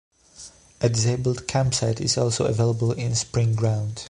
A disabled campsite is also available in Spring Ground.